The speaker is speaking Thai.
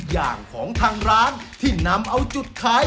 ว่างเกินนะแม่ครับ